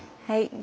はい。